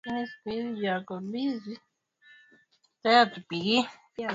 kuwa Mkristo akakamatwa Baba akamwendea mkuu wa mkoa wakapatana